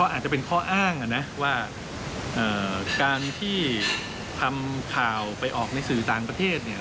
อาจจะเป็นข้ออ้างนะว่าการที่ทำข่าวไปออกในสื่อต่างประเทศเนี่ย